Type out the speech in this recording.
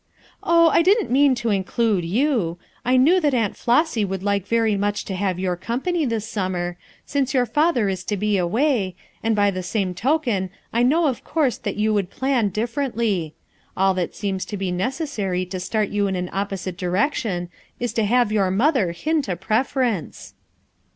"Oh, I didn't mean to include you. I knew that Aunt Flossy would like very much to have your company this summer, since your father is to be away, and by the same token I knew of course that you would plan differently. All that seems to be necessary to start you in an op posite direction is to have your mother hint a preference."